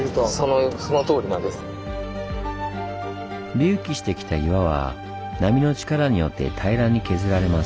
隆起してきた岩は波の力によって平らに削られます。